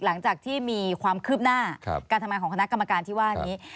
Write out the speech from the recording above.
หลังจากที่มีความคืบหน้าการทำงานของคณะกรรมการที่ว่านี้